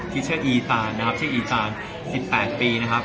ทิชเชอร์อีตานนะครับที่อีตาน๑๘ปีนะครับ